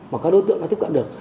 mà các đối tượng đã tiếp cận được